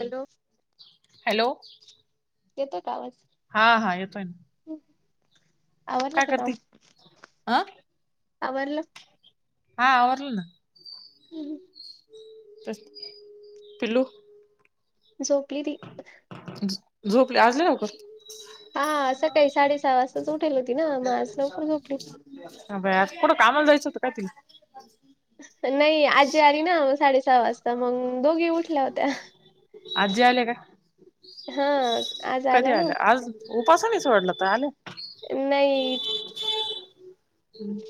Hello hello. येतोय का आवाज. हा हा येतोय ना. आवरलं काय का करते काम आ आवरलं. हा आवरलं ना. हम्म. पिल्लू. झोपली ती. झोपले आज लय लवकर. हा सकाळी साडेसहा वाजताच उठेल होती ना मग आज लवकर झोपली. [unintelligible] आज कुट कामाला जायचं होतं काय तिला. [inaudible] नाही आजी आली ना मग साडे. सहा वाजता मग दोघी उठल्या होत्या. आजी आल्या काय हा आज आला ना. उपास नाही सोडलं तर आल्या. नाही.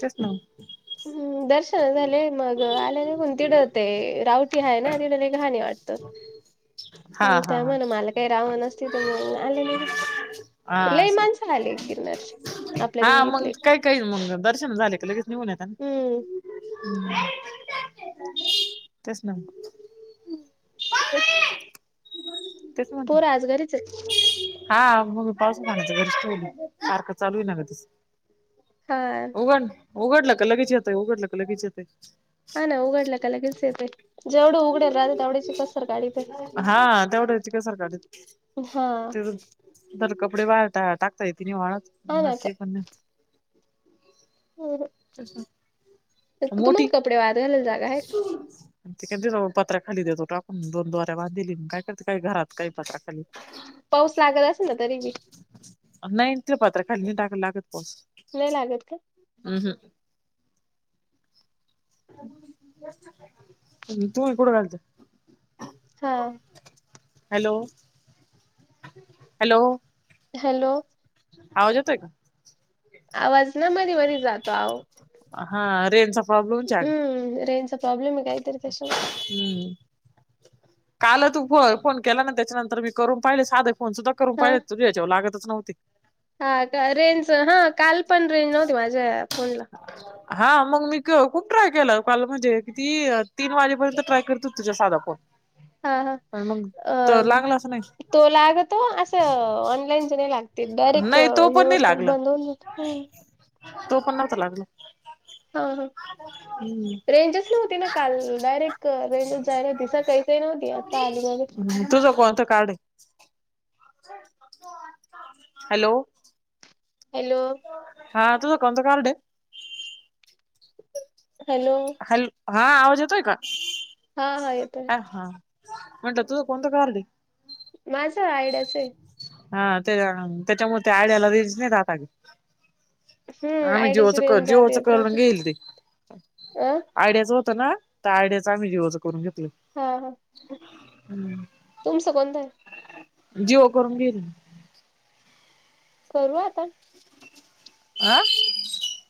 तेच ना मग. हम् दर्शन झाले मग आले निघून तिथं ते रावटी आहे ना तिथले घाण वाटतं. [unintelligible] हा ह हा त्या हा म्हणा मला काही रावं ना तिथे तर मग आले मी. हा लई असं माणस आले गिरनार आपल्या हा मग दिंडीतले. काही काही मग दर्शन झाले का लगेच निघून येता ना. हम्म ह् [unintelligible] तेच ना [inaudible] ह् तेच म्हटलं. आज घरीच आहेत. [unintelligible] हा उघड उघडलं का लगेच येतय उघडलं का लगेच येतं. हा ना उघडलं का लगेच येतय, जेवढं उघड राहते तेवढ्याची कसर काडी ते. हा तेवढ्याची कस सर काढीत, हा तिज, तर कपडे बाहेर टाकता येते नी वाळत. हा न ना सी मन, तेच ना. मोठी, तुम्हाला कपडे वाळत घालायला जागा आहे का? सून. तीकनजी जवळ पत्रा खाली देतो टाकून दोन दोऱ्या बांधीलीन काय करते काय घरात काय पत्रा खाली? पाऊस लागत असना तरी बी? नाही ते पात्र खाली टाकला लागत पाऊस. नाही लागत का? हम्म हम. आणि तु हि बुट घाल जा. हां. Hello, hello. हॅलो. आवाज येतोय का? आवाज ना मध्ये मध्ये जातो आहो. हा रेनचा हम्म रेनज चा प्रॉब्लेम हाय काय तरी तश. हम्म, काल तू फ फोन केला ना त्याच्यानंतर मी करून पाहिले साधे फोन सुधा करून हा पाहि तुझ्या याच्यावर लागतच नव्हते. हा का रेंज हा काल पण रेंज नव्हती माझ्या फोन ला. हा मग मी क खूप ट्राय केला काल म्हणजे किती तीन वाजेपर्यंत ट्राय करोत तुझ साधा फोन. हा, पण मग तर अम, लागलाच नाही तो लागतो असं ऑनलाईनचे नाही लाग ते डायरेक्ट नाही तो हे पण नाही होत लागला बंद होऊन जात, हम. तो कुणाचा लागला? हा हा. हम्. रेंजेस नव्हती ना काल डायरेक्ट रेंजेस जायला ते सकाळी काही नव्हती आता आली मग. हम्म तुझं कोणतं कार्ड आहे? हॅलो. हॅलो. हा तूझ कोणत कार्ड ये? हॅलो हॅल, हा आवाज होतोय का, हा हा येतोय ऐ हा. म्हटल तुझ कोणत कार्ड ये? माझ आय डी याच आहे. हा ते त्याच्यामुळे ते आय डि याला रेंज नाही राहत अगं. हम्म आम्ही जी ओच आयडियाची कर रेंज जी जात ओच येत करून राहते घेईल ते. अ आयड्याचं होतं ना, तर आयड्याचं आम्ही जी ओच करून घेतलं. हा हा हम्म तुमचं कोणतं आहे जीओ करून घे. हम्. करू आता. आं.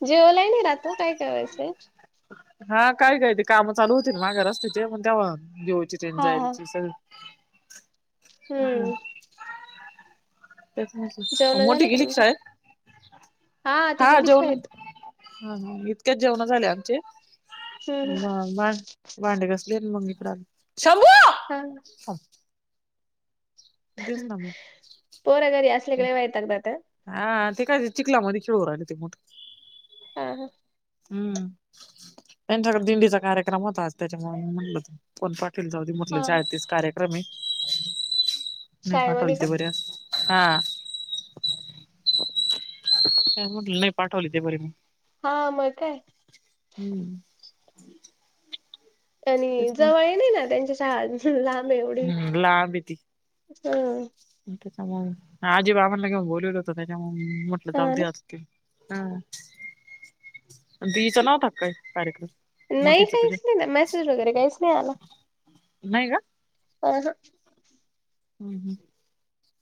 जेओ लाइन ये तु काय करायचं ये? हा काय काय ते काम चालू होतील माग रस्त्याचे म तेव्हा जी ओची रेनज हा हा जायची स हम्म. जेवण मोठी झाले गेली का तुमच्या शाळेत? ती हा गेली जेवल ना. शाळेत हा ह, इतक्याच जेवण झाले आमचे हम्म भांडे घसले मग मी इकडे आलो, संभु हा तेच ना मग पोर घरी असली काणी वैताग देतात. हा ते काय चिखलामध्ये खेळू रा ते मोठ. हा-हा हम्म. त्याच्या कड दिंडीचा कार्यक्रम होता, आज त्याच्यामुळे म्हटलं कोण पाटील जाऊदे. म्हटलं हा हा. शाळेतच कार्यक्रम आहे. नाही शाळेमध्ये का पाठवलेते बरं, हा. म्हट नाही पाठवली ते बरे मी. हा मग काय. हम्म. [inaudible] आणि तेच ना जवळ ही नाही ना, त्यांच्या शाळा लांब आहे एवढी, हम्म लांब आहे ती हा. त्याच्यामुळे आजी बाबांना केव बोलवलं होत त्याच्यामु म्हटलं हा ना जाद्या. हा. दी चा काय नवरा काय कार्यक्रम नाही मोठीचा तुझे. काहीच नाही ना मेसेज वगैरे काहीच नाही आला नाही का. [unintelligible] हम्म-हम्म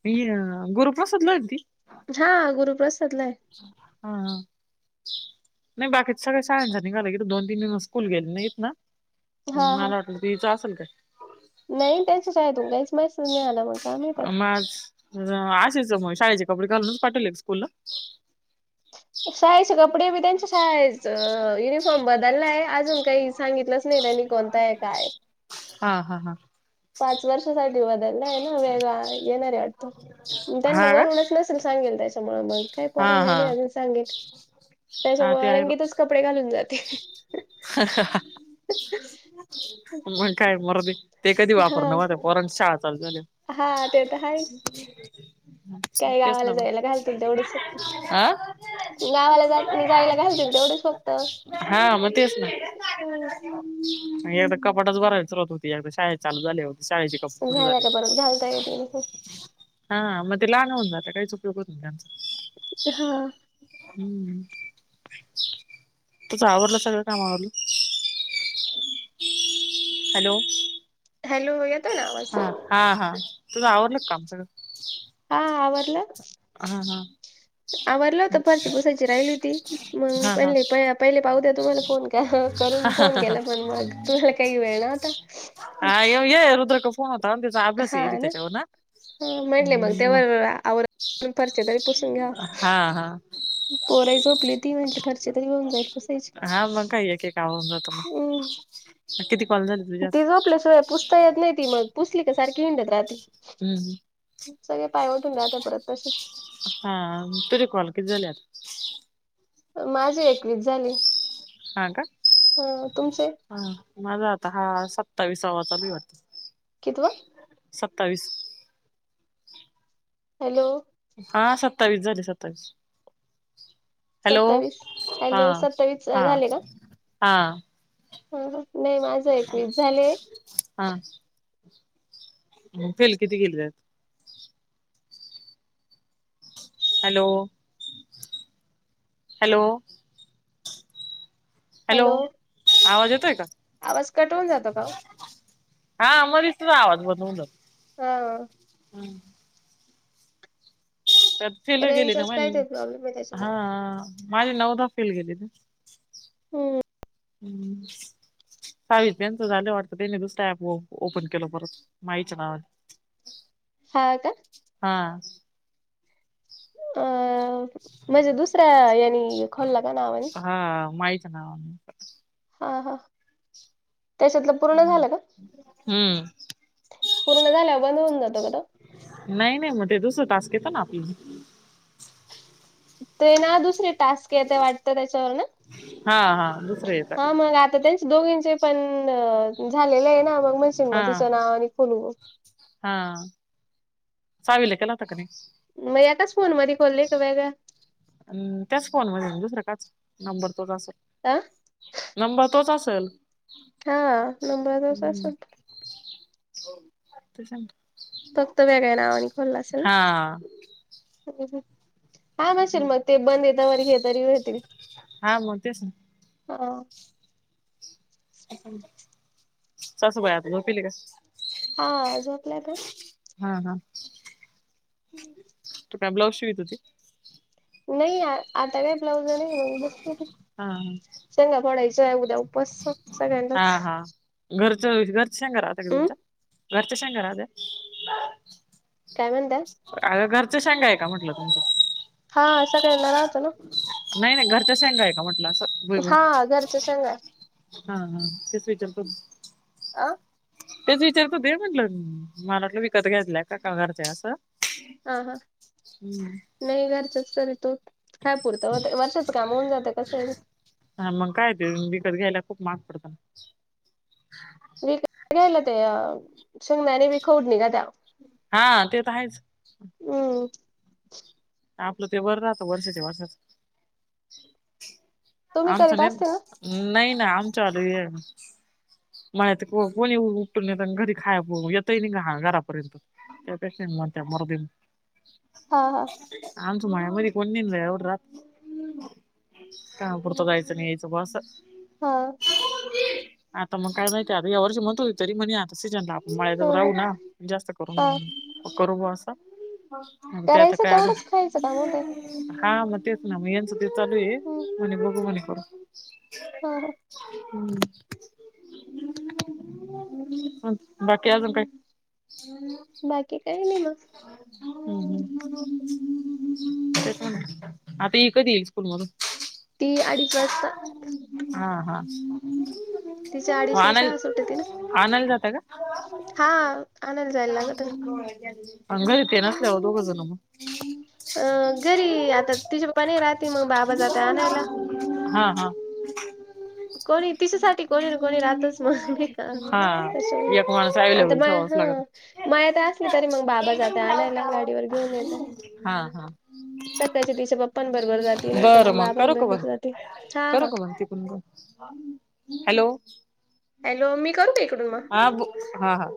ही गोरु प्रसाद आलती. हा गुरुप्रसाद ला. हा-हा नाही बाकीच सगळ शाळांचा निघालं किथ दोन, तीन दिवस स्कूल गेले नाही येत ना. हा मला हा वाटलं दी च असेल काय. नाही त्याच्याच काय तु काहीच माहि नाही आला, मग का मि यतात. पाच. असेच मग शाळेचे कपडे घालूनच पाठवले स्कूल ला. शाळेचे कपडे बी त्यांचे शाळेचं युूनिफॉर्म बदलला आहे अजून काही सांगितलंच नाही, त्यांनी कोणता आहे. काय आहे. हा-हा-हा. पाच वर्षासाठी बदललाय आहे ना, वेगळा आहे येणारे वाटत. मग त्यांना हा का वरुनच नसेल सांगेल, त्याच्यामुळे मग काही पर हा आजुन हा नाही सांग, हा ते त्याच्यामुळे आहे बघ. रंगीतच कपडे घालून जाते. मग काय वरधी, ते कधी हा वापरनार पोरांचे शाळा चालू झाल्या वर. हा, ते तर आहेच. काय [inaudible] तेच गावाला ना मग, जायला घालतील तेवढेच आ. स्वतः. हा, मग तेचं ना. एकदा कपाटच भारायला चालत होती, एक शाळेत चालू झाल्यावर, शाळेची. झाल्याय का परत घालता तेनीच. हा मग ते लहान होऊन जातं. काहीच उपयोग होत नाही त्यांचा. हा. हम्म.. [inaudible] तूवरला सगळं कामावरलं हॅलो. हॅलो [inaudible] हो [inaudible] गता ना आवाज हा हा. हा. तुझं आवरलं कामच हा आवरला. हा.. हा.. आववरलं होत फर्श [inaudible] बोसायची राहिली होती मग हा हा पहिले पहिले पाहू द्या तुम्हाला फोन [inaudible] करून फोन केला पण मग तुम्हाला काही वेळ ना आता हा येव ये रुद्रक फोन होतावस [inaudible] आभ्रस रथ [inaudible] जाव ना हम् [inaudible] आवरते हा.. हा.. पोराही झोपली ती म्हणटली [inaudible] खर्च तरी होऊन जाईल कसायची हा मग काही एक, एक का आव तुला किती कॉल झाली तुझ्या. आपल्या सिवाय पुसता येत [inaudible] नाहीी मग पुसली का सारख हिंडत [inaudible] राह हम्म... सगळे पाय उठून [inaudible] घात परत तसेच हा तुरी कॉल कि झाल्यात. माझी एकवीस झाली. हा का? अ तुमचे. हा.. माझा आता हा. सत्ताविसावा चालू वाटत. [inaudible] कितीवा सत्तावीस. हॅलो.. हा सत्तावीस झाले. सत्तावीस. हॅलो... सत्तावीस हा, हॅलो सत्तावीस अ, हा, झाले का हा. [inaudible] नाही माझं एकवीस झाले. हा. फेल किती गेली [inaudible] जात हॅलो... हॅलो... हॅलो... आवाज येतोय का? आवाज कट होऊन जातो का हा [inaudible] आमरीस आवाज [inaudible] बनव न हा. हम्. [inaudible] तरत फेल गेली ना रेंजचाच काय ते मग प्रॉब्लेम आहे हा त्याच्यामुळे माझी नवदा फेल गेली ना. हम्म.. [unintelligible] [inaudible] हम्म [inaudible] सहावी रुपयाच झालं वाटतं ते मी दुसतं ऍप ओपन केलं परत माहीच्या नावाने [inaudible] हा का. हा. अ म्हणजे दुसऱ्या यांनी खोल्ला का नावाने. हा माहीच [inaudible] ना हा, हा, त्याच्यातलं. पूर्ण झालं का हम्म. पूर्ण झाल्या बंद होऊन जातं [inaudible] गं नाहीं नाहीं मगं ते दुसरे तांस घेतो नां आपल्यां ते नां दुसरे टांस्क येते वाटतं त्यांच्यावर नां हा हा दुसरं येतं हां मगं आंता त्यांच दोघींचे पणं झालेलं आहे नां मगं मं सिंग मं तिचं नांव आणि खोलूंन हां सावील केलां तकंने मगं याकांच फोन मध्यें खोलले कां वेगळं अंम त्यांचं फोन मध्यें दुसरं कांच नंबर तो ते आं नंबर तोचं असेल हां नंबरचं तोच असेल. तोंच आंता सांगते फक्तं वेगळ्यां नांवाने खोललां असेल नां! हां म्हणंशील मगं ते बंद हे तंवर हे तरी होतील. हा मग तेच ना हां. सासुबाई आंता झोपेल हे कां? हां झोपल्यां त्यां. हां हां [inaudible] [unintelligible] कायं ब्लाऊज शिवतं होती? नाहीं यां आंता कायं ब्लाउज नाहीये बसलो मगं. हा शेंगा फोडांयचे आहेतं उद्यां उपांस सगळ्यांनाचं. घरचं घरच्यां शेंगां राहतां कां हम्म तुमच्यां घरांच्या शेंगा राहत्यां? कायं म्हणतांय? अंग घरंच्या शेंगा आहे कां म्हटलं तुमच्यां. हां सगळ्यांना राहतो नां. नाहीं नाहीं घरंच्या शेंगा आहे कां म्हटलं आंस भुईमूंग हा घरच्या शेंगा हां हां तेचं विचारतं होते. अं तेचं विचारतं होते म्हटलं. मलां वाटलं विकतं घेतलांय कां घरंच्या आहे असं. अं हं नाहीं घरच्यांचं तरी तो कायं पुरतं ओ ताई वर्षांचं कामं होऊंन जातं. असं आहे नां. हां मगं कायं तरं. विकतं घ्यांयला खूंप महांग पडतं नां. घ्यांयला ते अं शेंगदांणे बी खौट निघत्यां. हां ते तरं आहेचं. हम्मं आपलं ते बरं राहतं वर्षाच्या वर्षांचं तुम्ही आमचां करीत असते ना नाहीं नां आमच्यां मळ्यांतून को कोणीबी उपटूंन नेते आणी कोणी घरी खांया पो येतंय नाहीं कां घरांपर्यंत. त्यांपेक्षा म्हटलं मरू दे. हां हां आमच्यां मळ्यांमध्यें कोणी नाहीं जायं एवढ्यां रातं. कामांपुरतां जायचं नी यायचं बुवां असं. हां आंता मगं कायं माहितीय हं यावर्षी सीजनं लां ऑफ ह मळ्यांतचं ह राहूं नां जास्तं करूंन हा मगं करूं बुवां असं पणं ते आंता करायचं कायं तेवढंच खायचं का मग ते गं हा म तेच ना म यांचं तेच चालू हे हम्म म्हणे बघू म्हणे करू. हा हा [unintelligible] बाकी अजुन काय? बाकी काही नाही म. हूं हूं तेंच म्हणलं, आता ही कधी येईल स्कूल मधून? ती अडीच वाजता. आ हा! तिच्या अडीचला शाळा सुटते ना आणायला-आणायला जातां का? हा आणायला जायला लागतं ना. होय त्यांनी. आण घरी ते नसल्यावर दोघेजण मंग. अ घरी आता तिचे पप्पा नाही राहती, म बाबा जाता आणायला. हा हा! कोणी तिच्यासाठी कोणी ना कोणी राहतच म, नही का हा त्याच्यामुळे एक माणूस आता अवेलेबल माय ठेवावाच ह. लागत. मायातं असली तरी मंग बाबा एकदम जात्यां लाऊड आणायला गाडीवर घेऊन येतां. आवाज. हा हा! सकाळचे तिच्या पप्पांनं बरबर जाती, नाही तर मग बाबांनं बरबर जाती. कर का बंद तिकून [unintelligible] हॅलो हॅलो मी करु का इक हा ब हा हा!